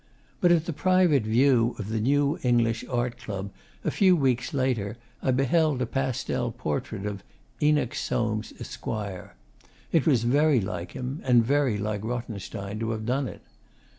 But at the private view of the New English Art Club, a few weeks later, I beheld a pastel portrait of 'Enoch Soames, Esq.' It was very like him, and very like Rothenstein to have done it.